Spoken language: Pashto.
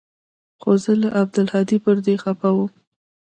خو زه له عبدالهادي پر دې خپه وم.